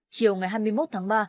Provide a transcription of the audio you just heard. chiều ngày hai mươi một tháng ba